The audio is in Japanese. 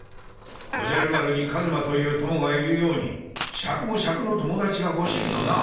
おじゃる丸にカズマという友がいるようにシャクもシャクの友達がほしいとな。